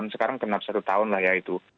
sekarang genap satu tahun lah ya itu